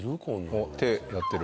あっ手やってる。